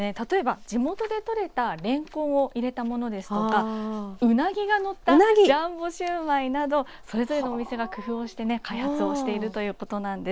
地元で取れたれんこんを入れたものですとかうなぎがのったジャンボ焼売などそれぞれの店が工夫をして開発しているということです。